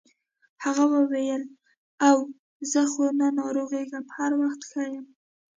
هغه وویل اوه زه خو نه ناروغیږم هر وخت ښه یم.